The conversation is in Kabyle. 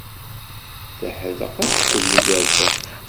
Teḥdeq akked yigerdan.